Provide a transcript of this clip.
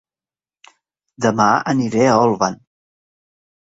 Dema aniré a Olvan